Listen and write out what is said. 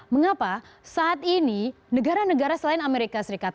mengapa saat ini negara negara selain amerika serikat